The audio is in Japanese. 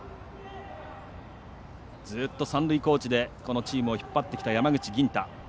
ずっと三塁コーチでこのチームを引っ張ってきた山口吟太。